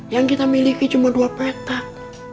yang kita miliki cuma dua petak